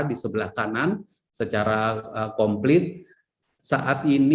di sebelah kanan secara komplit saat ini